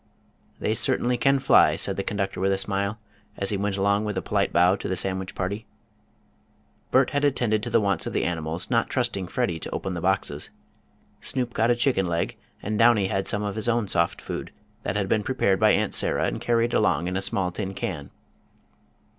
"They certainly can fly," said the conductor with a smile, as he went along with a polite bow to the sandwich party. Bert had attended to the wants of the animals, not trusting Freddie to open the boxes. Snoop got a chicken leg and Downy had some of his own soft food, that had been prepared by Aunt Sarah and carried along in a small tin can.